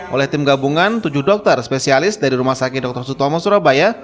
oleh tim gabungan tujuh dokter spesialis dari rumah sakit dr sutomo surabaya